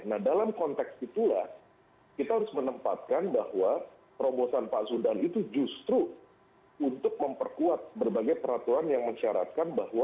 nah dalam konteks itulah kita harus menempatkan bahwa terobosan pak zudan itu justru untuk memperkuat berbagai peraturan yang mensyaratkan bahwa